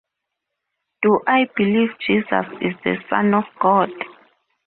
Do I believe Jesus is the son of God?